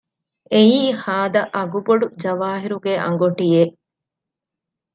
އެއީ ހާދަ އަގުބޮޑު ޖަވާހިރުގެ އަނގޮޓިއެއް